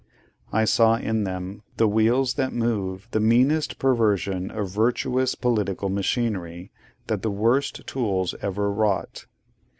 I saw in them, the wheels that move the meanest perversion of virtuous Political Machinery that the worst tools ever wrought.